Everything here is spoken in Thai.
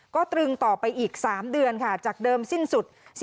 ก็ตรึงต่อไปอีก๓เดือนค่ะจากเดิมสิ้นสุด